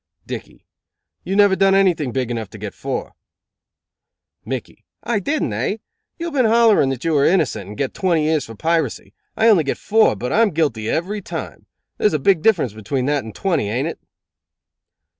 Dickey: "You never done anything big enough to get four." Mickey: "I didn't, eh? You have been hollering that you are innocent, and get twenty years for piracy. I only get four, but I am guilty every time. There is a big difference between that and twenty, aint it?"